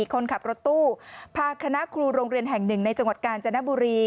คนขับรถตู้พาคณะครูโรงเรียนแห่งหนึ่งในจังหวัดกาญจนบุรี